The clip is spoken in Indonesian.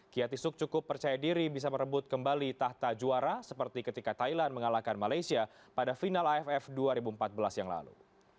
kiatisuk cukup percaya diri bisa merebut kembali tahta juara seperti ketika thailand mengalahkan malaysia pada final aff dua ribu empat belas yang lalu